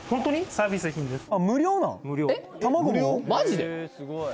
サービス品ですマジで？